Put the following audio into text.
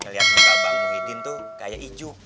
lihat muka abang muhyiddin tuh kayak ijuk